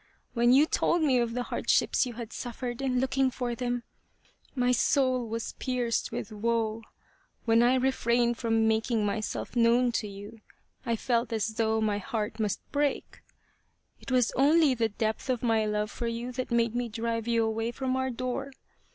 When you told me of the hardships you had suffered in looking for them, my soul was pierced with woe. When I refrained from making myself known to you I felt as though my heart must break. It was only the depth of my love for you that made me drive you away from our door.